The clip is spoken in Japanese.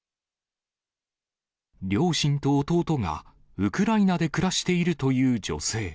両親と弟がウクライナで暮らしているという女性。